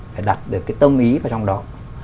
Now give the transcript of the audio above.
phải đặt được cái tâm ý vào trong đó